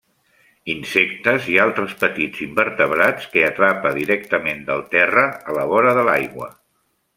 Insectes i altres petits invertebrats que atrapa directament del terra a la vora de l'aigua.